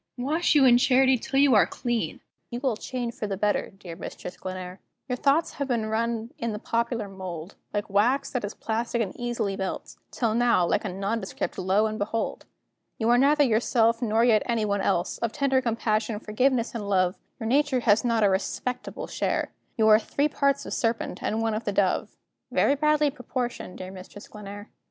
wash you in Charity till you are clean; You will change for the better, dear Mistress Glenare. Your thoughts have been run in the popular mould, Like wax that is plastic and easily melts; Till now, like a nondescript, lo, and behold! You are neither yourself, nor yet any one else. Of tender compassion, forgiveness, and love, Your nature has not a respectable share; You are three parts of serpent, and one of the dove Very badly proportioned, dear Mistress Glenare.